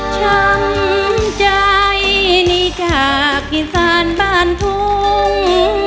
ช้ำใจนี้จากอีสานบ้านทุ่ง